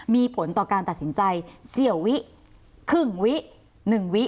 มีผลต่อการตัดสินใจเสี่ยววิครึ่งวิ๑วิ